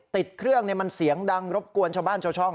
ติดเครื่องมันเสียงดังรบกวนชาวบ้านชาวช่อง